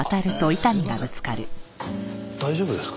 大丈夫ですか？